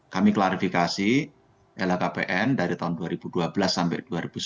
kami klarifikasi lhkpn dari tahun dua ribu dua belas sampai dua ribu sembilan belas